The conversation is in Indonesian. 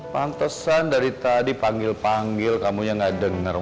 pantesan dari tadi panggil panggil kamu yang gak denger